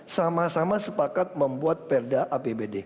sama sama sepakat membuat perda apbd